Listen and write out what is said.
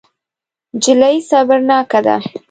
نجلۍ صبرناکه ده.